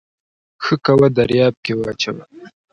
ښه کوه دریاب کې واچوه